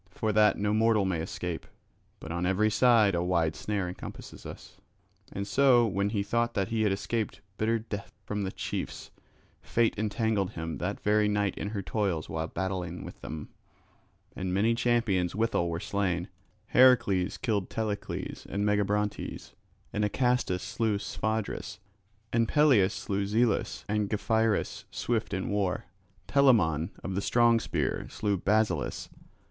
For that no mortal may escape; but on every side a wide snare encompasses us. And so, when he thought that he had escaped bitter death from the chiefs, fate entangled him that very night in her toils while battling with them; and many champions withal were slain; Heracles killed Telecles and Megabrontes, and Acastus slew Sphodris; and Peleus slew Zelus and Gephyrus swift in war. Telamon of the strong spear slew Basileus.